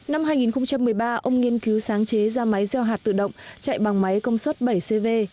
năm hai nghìn một mươi ba ông nghiên cứu sáng chế ra máy gieo hạt tự động chạy bằng máy công suất bảy cv